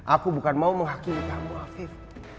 aku bukan mau menghakimi kamu afif